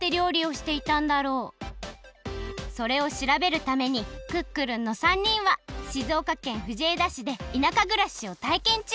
それをしらべるためにクックルンの３人は静岡県藤枝市でいなかぐらしをたいけんちゅう！